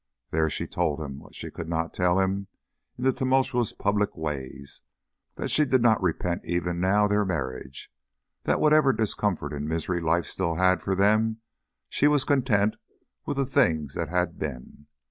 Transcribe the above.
There she told him, what she could not tell him in the tumultuous public ways, that she did not repent even now of their marriage that whatever discomfort and misery life still had for them, she was content with the things that had been.